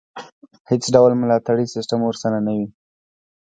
هېڅ ډول ملاتړی سیستم ورسره نه وي.